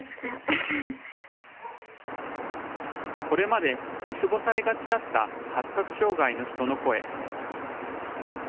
これまで見過ごされがちだった発達障害の人の声。